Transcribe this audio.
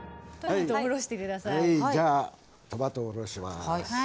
はいじゃあトマトおろします。